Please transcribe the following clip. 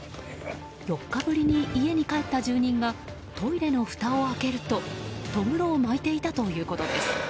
４日ぶりに家に帰った住人がトイレのふたを開けるととぐろを巻いていたということです。